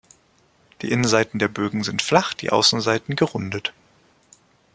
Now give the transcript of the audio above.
Die Innenseiten der Bögen sind flach, die Außenseiten gerundet.